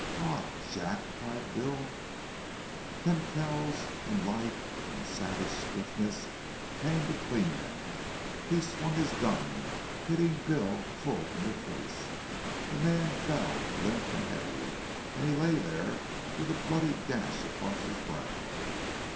"AW, JACK!" cried Bill. Then Kells, in lithe and savage swiftness, came between them. He swung his gun, hitting Bill full in the face. The man fell, limp and heavy, and he lay there, with a bloody gash across his brow.